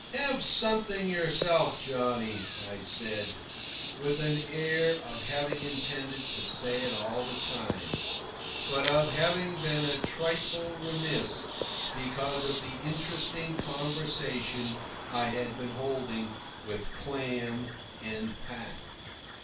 "Have something yourself, Johnny," I said, with an air of having intended to say it all the time, but of having been a trifle remiss because of the interesting conversation I had been holding with Clam and Pat.